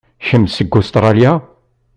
Kemm seg Ustṛalya?